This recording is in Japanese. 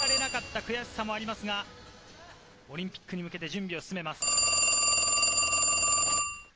ＮＨＫ杯で決められなかった悔しさもありますが、オリンピックに向けて準備を進めます。